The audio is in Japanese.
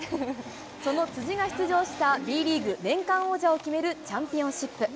その辻が出場したＢリーグ年間王者を決めるチャンピオンシップ。